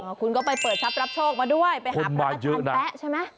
คุณก็ไปเปิดทรัพย์รับโชคมาด้วยไปหาพระอาจารย์แป๊ะใช่ไหม